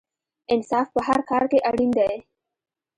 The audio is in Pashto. انصاف په هر کار کې اړین دی.